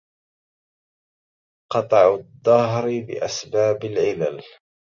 قطع الدهر بأسباب العلل